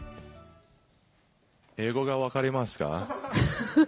英語が分かりますか。